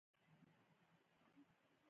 زه له هر چا ښېګڼه غواړم.